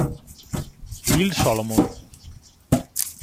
Will Solomon